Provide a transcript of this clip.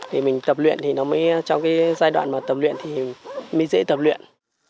thì mình tập luyện thì nó mới trong cái giai đoạn mà tập luyện thì mới dễ tập luyện